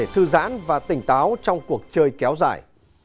thư giãn và tỉnh táo trong cuộc chơi kéo dài